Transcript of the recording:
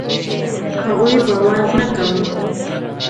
هغوی باور نه کاوه.